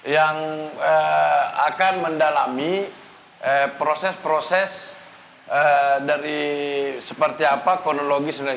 yang akan mendalami proses proses dari seperti apa kronologi sebenarnya